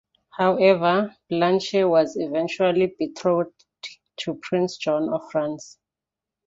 However, Blanche was eventually betrothed to Prince John of France.